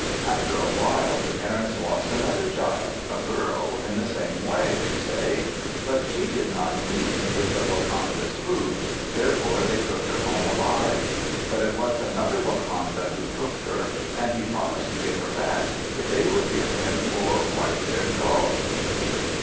After a while, the parents lost another child, a girl, in the same way, they say. But she did not eat any of the wakanda's food, therefore they took her home alive. But it was another wakanda who took her, and he promised to give her back if they would give him four white haired dogs.